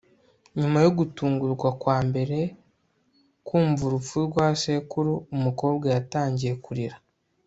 Nyuma yo gutungurwa kwambere kumva urupfu rwa sekuru umukobwa yatangiye kurira